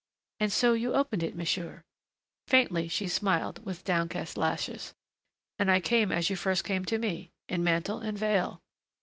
"And so you opened it, monsieur." Faintly she smiled, with downcast lashes. "And I came as you first came to me in mantle and veil."